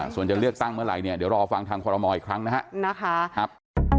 ส่วนจะเลือกตั้งเมื่อไหร่เนี่ยเดี๋ยวรอฟังทางคอรมอลอีกครั้งนะครับ